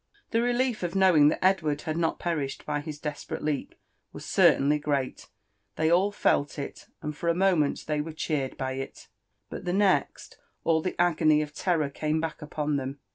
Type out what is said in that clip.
The relief of knowing that Edward had not perished by his desperate leap was certainly great ; they all felt it, and for a moment they were cheered by it ; but the next, all the agony of terror came back upon them.